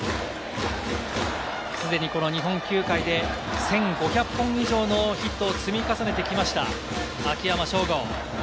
すでに日本球界で１５００本以上のヒットを積み重ねてきました、秋山翔吾。